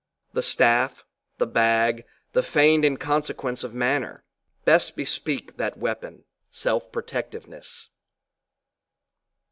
The staff, the bag, the feigned inconsequence of manner, best bespeak that weapon, self protectiveness.